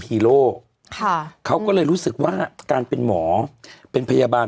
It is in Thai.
ฮีโร่ค่ะเขาก็เลยรู้สึกว่าการเป็นหมอเป็นพยาบาล